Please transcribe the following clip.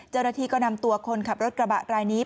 เจรฐีก็นำตัวคนขับรถกระบะรายนี้